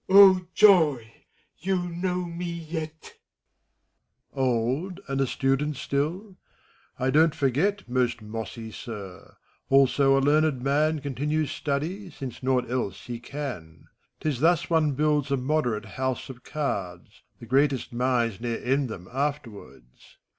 FAMULUS. joy ! you know me yet. MEPHISTOPHELES. Old, and a student still, — ^I don't forget, Most mossy Sir ! Also a learned man Continues study, since naught else he can. 'T is thus one builds a moderate house of cards; The greatest minds ne'er end them, afterwards.